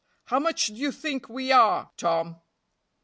"How much do you think we are, Tom?"